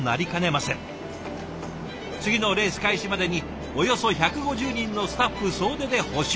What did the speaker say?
次のレース開始までにおよそ１５０人のスタッフ総出で補修。